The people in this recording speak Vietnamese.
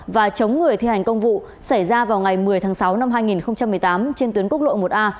và chống người thi hành công vụ xảy ra vào ngày một mươi tháng sáu năm hai nghìn một mươi tám trên tuyến quốc lộ một a